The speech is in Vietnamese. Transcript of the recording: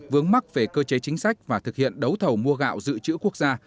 vướng mắc về cơ chế chính sách và thực hiện đấu thầu mua gạo dự trữ quốc gia